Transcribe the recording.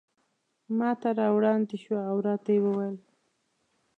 ماته را وړاندې شوه او راته ویې ویل.